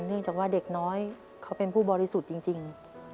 เนื่องจากว่าเด็กน้อยเขาเป็นผู้บริสุทธิ์จริง